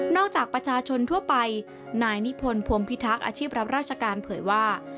จากประชาชนทั่วไปนายนิพนธ์พรมพิทักษ์อาชีพรับราชการเผยว่า